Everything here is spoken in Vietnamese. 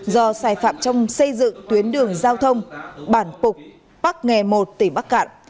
do sai phạm trong xây dựng tuyến đường giao thông bản phục bắc nghề một tỉnh bắc cạn